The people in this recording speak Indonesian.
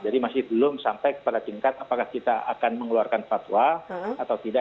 jadi masih belum sampai pada tingkat apakah kita akan mengeluarkan fatwa atau tidak